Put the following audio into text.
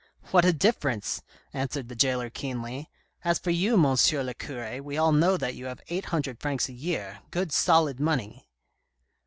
" What a difference !" answered the jailer keenly. " As for you, M. le cure, we all know that you have eight hundred francs a year, good solid money."